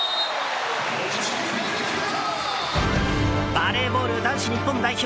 バレーボール男子日本代表